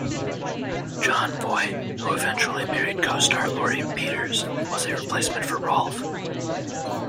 Jon Voight, who eventually married co-star Lauri Peters, was a replacement for Rolf.